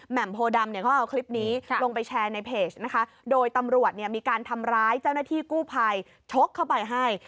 โพดำเนี่ยเขาเอาคลิปนี้ลงไปแชร์ในเพจนะคะโดยตำรวจเนี่ยมีการทำร้ายเจ้าหน้าที่กู้ภัยชกเข้าไปให้